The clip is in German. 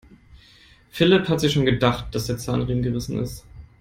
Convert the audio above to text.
Philipp hatte sich schon gedacht, dass der Zahnriemen gerissen ist.